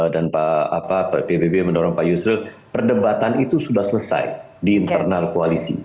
dan pak pbb mendorong pak yusril perdebatan itu sudah selesai di internal koalisi